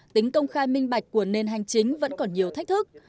tính công khai minh bạch của nền hành chính vẫn còn nhiều thách thức